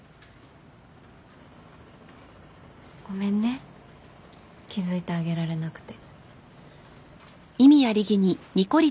ごめんね気付いてあげられなくて。